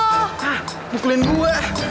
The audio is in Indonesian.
hah mukulin gue